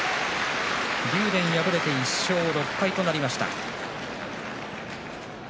竜電は敗れて１勝６敗となりました。